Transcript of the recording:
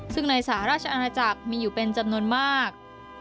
ซึ่งในสหราชอาณาจักรมีอยู่เป็นจำนวนมาก